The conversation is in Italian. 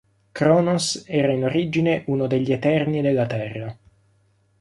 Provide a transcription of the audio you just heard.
Kronos era in origine uno degli Eterni della Terra.